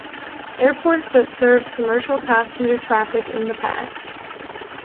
Airports that served commercial passenger traffic in the past.